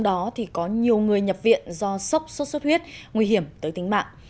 đó thì có nhiều người nhập viện do sốc sốt xuất huyết nguy hiểm tới tính mạng